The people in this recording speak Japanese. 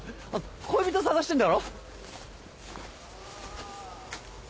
恋人捜してんだろ？